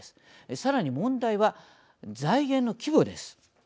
さらに問題は財源の規模です。